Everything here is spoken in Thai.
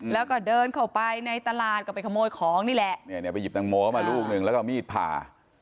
แล้วก็เดินเข้าไปในตลาดก็ไปขโมยของนี่แหละเนี่ยไปหยิบตังโมเข้ามาลูกหนึ่งแล้วก็มีดผ่า